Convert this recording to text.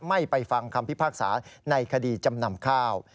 ไม่ไปฟังคำพิพากษาในคดีจำนำข้าว